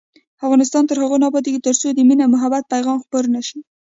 افغانستان تر هغو نه ابادیږي، ترڅو د مینې او محبت پیغام خپور نشي.